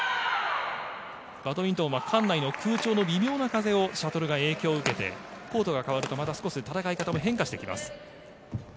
バドミントンは館内の微妙な風をシャトルが影響を受けてコートが変わると少し戦い方も変化していきます。